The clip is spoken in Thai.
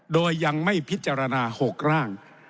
โดยยังไม่พิจารณา๖ร่าง